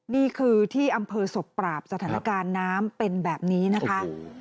นี่คือที่อำเภอศพปราบสถานการณ์น้ำเป็นแบบนี้นะคะ